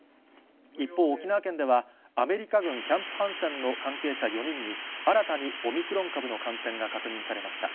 一方、沖縄県ではアメリカ軍キャンプ・ハンセンの関係者４人に、新たにオミクロン株の感染が確認されました。